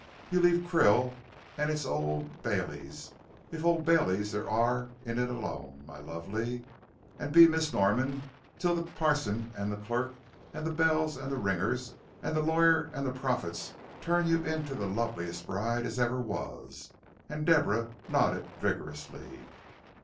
You leave Krill and its old Baileys, if old Baileys there are in it, alone, my lovey, and be Miss Norman till the passon and the clark, and the bells and the ringers, and the lawr and the prophets turn you into the loveliest bride as ever was," and Deborah nodded vigorously.